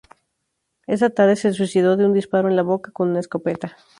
Esa tarde se suicidó de un disparo en la boca con una escopeta.